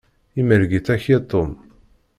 Imerreg-itt akya Tom.